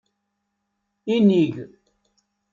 Inig.